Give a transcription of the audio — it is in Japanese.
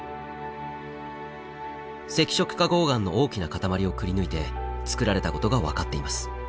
赤色花こう岩の大きな塊をくりぬいてつくられたことが分かっています。